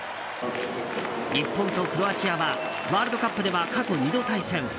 日本とクロアチアはワールドカップでは過去２度対戦。